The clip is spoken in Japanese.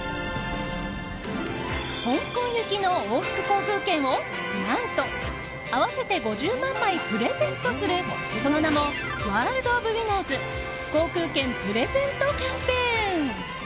香港行きの往復航空券を何と合わせて５０万枚プレゼントする、その名もワールド・オブ・ウィナーズ航空券プレゼント・キャンペーン。